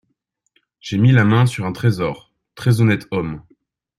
J’ai mis la main sur un trésor… très honnête homme…